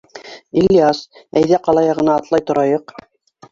— Ильяс, әйҙә ҡала яғына атлай торайыҡ.